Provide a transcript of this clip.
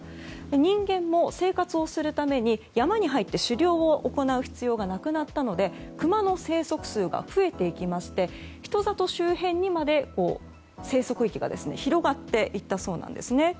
人間も生活をするために山に入って狩猟を行う必要がなくなったのでクマの生息数が増えていきまして人里周辺にまで生息域が広がっていったそうなんですね。